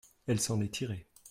elle s'en est tirée.